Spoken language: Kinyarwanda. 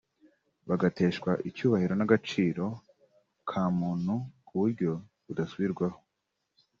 bagateshwa icyubahiro n’agaciro ka muntu ku buryo budasubirwaho